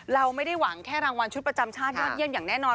เราไม่ได้หวังแค่รางวัลชุดประจำชาติยอดเยี่ยมอย่างแน่นอน